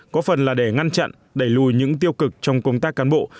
có phần là để ngăn chặn đẩy lùi những tiêu cực trong công tác cán bộ